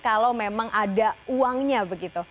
kalau memang ada uangnya begitu